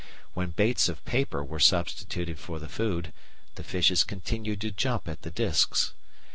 When baits of paper were substituted for the food, the fishes continued to jump at the discs.